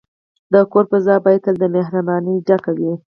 د کور فضا باید تل د مهربانۍ ډکه وي.